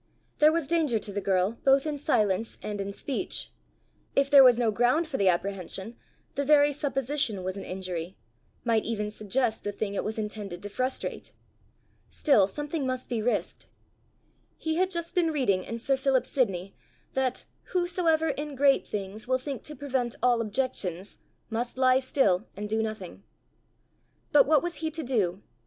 There was danger to the girl both in silence and in speech: if there was no ground for the apprehension, the very supposition was an injury might even suggest the thing it was intended to frustrate! Still something must be risked! He had just been reading in sir Philip Sidney, that "whosoever in great things will think to prevent all objections, must lie still and do nothing." But what was he to do?